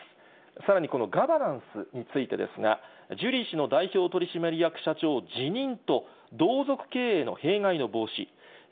さらに、このガバナンスについてですが、ジュリー氏の代表取締役社長の辞任と、同族経営の弊害の防止。